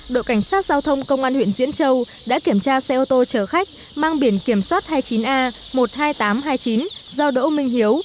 đội cảnh sát giao thông công an huyện diễn châu đã kiểm tra xe ô tô chở khách mang biển kiểm soát hai mươi chín a một mươi hai nghìn tám trăm hai mươi chín do đỗ minh hiếu